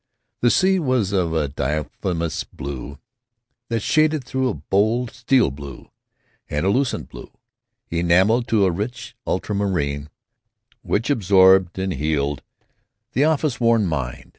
The sea was of a diaphanous blue that shaded through a bold steel blue and a lucent blue enamel to a rich ultramarine which absorbed and healed the office worn mind.